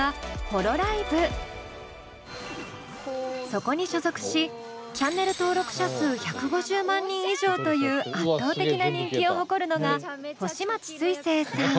そこに所属しチャンネル登録者数１５０万人以上という圧倒的な人気を誇るのが星街すいせいさん。